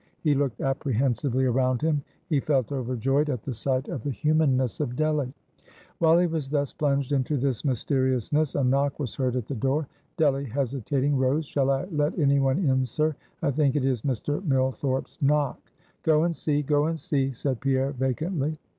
He looked apprehensively around him; he felt overjoyed at the sight of the humanness of Delly. While he was thus plunged into this mysteriousness, a knock was heard at the door. Delly hesitatingly rose "Shall I let any one in, sir? I think it is Mr. Millthorpe's knock." "Go and see go and see" said Pierre, vacantly.